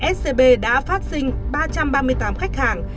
scb đã phát sinh ba trăm ba mươi tám khách hàng